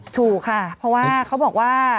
ถูกค่ะเพราะว่าเขาบอกว่า